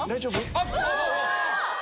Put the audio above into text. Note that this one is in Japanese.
あっ！